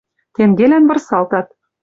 Тенгелӓн вырсалтат